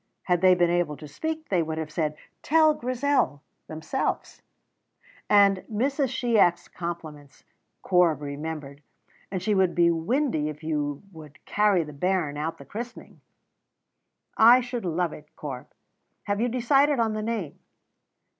Had they been able to speak they would have said "Tell Grizel" themselves. "And Mrs. Shiach's compliments," Corp remembered, "and she would be windy if you would carry the bairn at the christening." "I should love it, Corp! Have you decided on the name?"